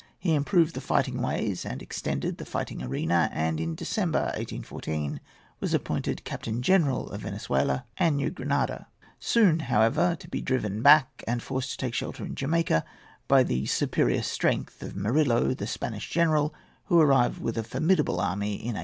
He improved the fighting ways and extended the fighting area, and in December, 1814, was appointed captain general of Venezuela and New Granada, soon, however, to be driven back and forced to take shelter in Jamaica by the superior strength of Morillo, the Spanish general, who arrived with a formidable army in 1815.